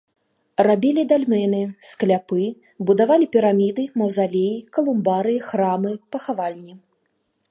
Рабілі дальмены, скляпы, будавалі піраміды, маўзалеі, калумбарыі, храмы, пахавальні.